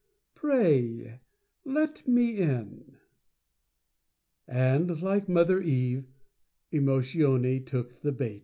Pray, let me in." And, like Mother Eve, Emotione took the bait.